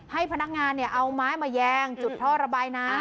ให้พนักงานเอาไม้มาแยงจุดท่อระบายน้ำ